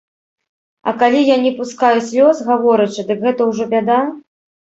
А калі я не пускаю слёз, гаворачы, дык гэта ўжо бяда?